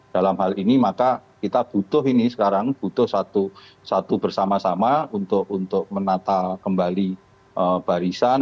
dalam hal ini maka kita butuh ini sekarang butuh satu bersama sama untuk menata kembali barisan